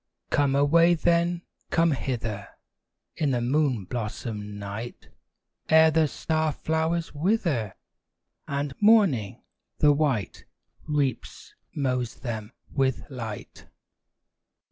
Come away then, come hither, In the moon blossomed night! Ere the star flowers wither, And Morning, the white, Reaps, mows them with light.